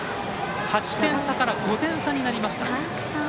８点差から５点差になりました。